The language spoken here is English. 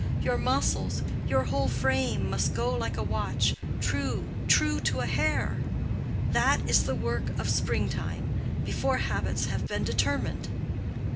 Your muscles—your whole frame—must go like a watch, true, true to a hair. That is the work of spring time, before habits have been determined."